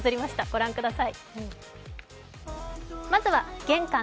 ご覧ください。